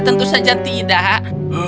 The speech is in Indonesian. tentu saja tidak